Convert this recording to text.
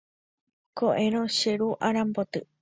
Ko'ẽrõ che ru aramboty.